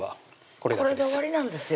これで終わりなんですよ